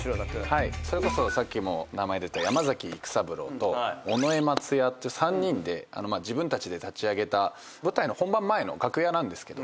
それこそさっきも名前出た山崎育三郎と尾上松也って３人で自分たちで立ち上げた舞台の本番前の楽屋なんですけど。